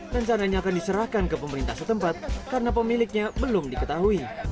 dan sananya akan diserahkan ke pemerintah setempat karena pemiliknya belum diketahui